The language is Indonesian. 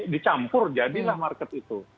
dicampur jadilah market itu